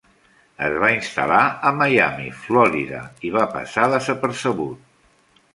Es va instal·lar a Miami, Florida i va passar desapercebut.